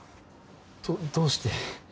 どどうして？